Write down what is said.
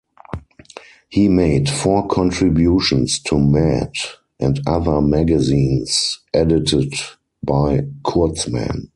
He made four contributions to "Mad" and other magazines edited by Kurtzman.